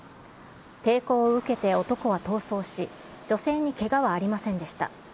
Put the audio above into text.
抵抗を受けて男は逃走し、女性にけがはありませんでした。